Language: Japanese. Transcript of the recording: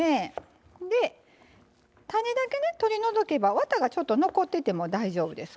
種だけね取り除けばワタがちょっと残ってても大丈夫です。